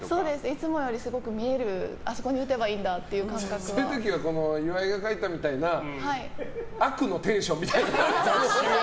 いつもよりすごい見れるあそこに打てばいいんだっていうそういう時は岩井が描いたみたいな悪のテンションみたいな。